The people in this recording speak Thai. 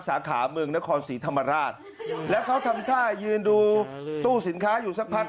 สาขาเมืองนครศรีธรรมราชแล้วเขาทำท่ายืนดูตู้สินค้าอยู่สักพัก